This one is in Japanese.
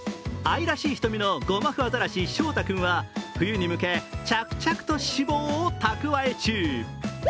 愛らしい瞳のゴマフアザラシ笑大君は、冬に向け、着々と脂肪を蓄え中。